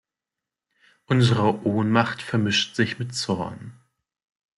Unsere Ohnmacht vermischt sich mit Zorn.